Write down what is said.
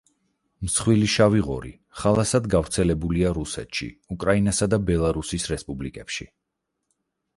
მსხვილი შავი ღორი ხალასად გავრცელებულია რუსეთში, უკრაინასა და ბელარუსის რესპუბლიკებში.